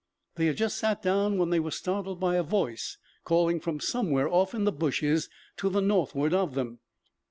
They had just sat down when they were startled by a voice calling from somewhere off in the bushes to the northward of them.